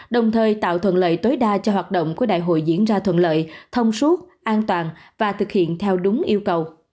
đồng thời tạo thuận lợi tối đa cho hoạt động của đại hội diễn ra thuận lợi thông suốt an toàn và thực hiện theo đúng yêu cầu